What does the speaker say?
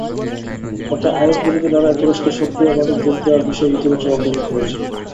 তাতে আইএসবিরোধী লড়াইয়ে তুরস্কের সক্রিয়ভাবে যোগ দেওয়ার বিষয়ে ইতিবাচক অগ্রগতি হয়েছে।